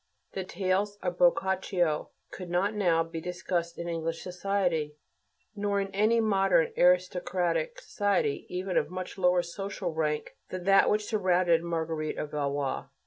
The tales of Boccaccio could not now be discussed in English society, or in any modern aristocratic society even of much lower social rank than that which surrounded Marguerite of Valois.